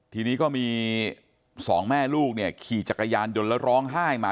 ทีนี้ก็มีสองแม่ลูกเนี่ยขี่จักรยานยนต์แล้วร้องไห้มา